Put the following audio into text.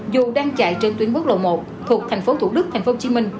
dù đang chạy trên tuyến quốc lộ một thuộc tp thủ đức tp hcm